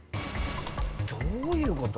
どういうこと？